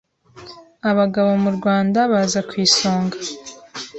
abagabo mu Rwanda baza ku isonga